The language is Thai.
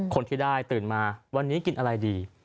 คนที่ได้ตื่นมาวันนี้กินอะไรดี